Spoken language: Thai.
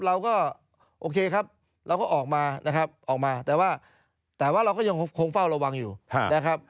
เราก็โอเคครับเราก็ออกมานะครับออกมาแต่ว่าแต่ว่าเราก็ยังคงเฝ้าระวังอยู่นะครับ